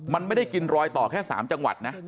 มันไม่ได้กินรอยต่อแค่๓จังหวัดนะ